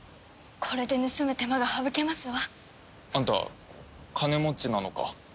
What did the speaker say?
これで盗む手間が省けますわ。あんた金持ちなのか？